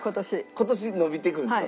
今年伸びてくるんですか？